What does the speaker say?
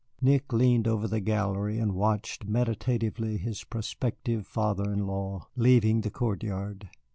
Nick leaned over the gallery and watched meditatively his prospective father in law leaving the court yard.